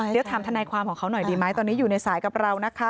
เดี๋ยวถามทนายความของเขาหน่อยดีไหมตอนนี้อยู่ในสายกับเรานะคะ